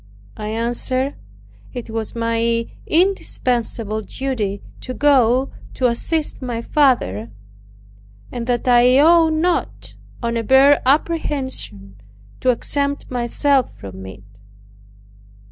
I answered, "It was my indispensable duty to go to assist my father, and that I ought not, on a bare apprehension, to exempt myself from it."